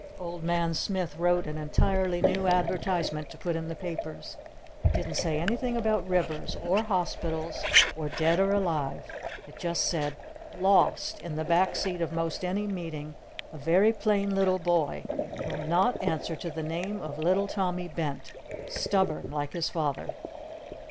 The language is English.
Old Man Smith wrote an entirely new advertisement to put in the papers. It didn't say anything about Rivers! Or Hospitals! Or 'Dead or Alive!' It just said: LOST: In the back seat of Most Any Meeting, a Very Plain Little Boy. Will not answer to the name of "Little Tommy Bent." Stubborn, like his Father.